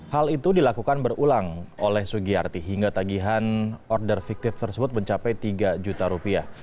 hal itu dilakukan berulang oleh sugiyarti hingga tagihan order fiktif tersebut mencapai tiga juta rupiah